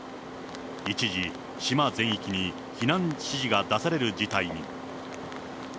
一時、島全域に避難指示が出される事態に。